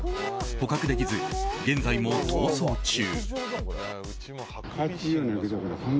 捕獲できず、現在も逃走中。